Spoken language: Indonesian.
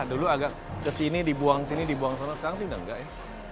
dulu agak kesini dibuang sini dibuang sana sekarang sih udah enggak ya